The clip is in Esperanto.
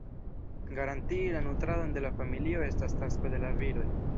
Garantii la nutradon de la familio estas tasko de la viroj.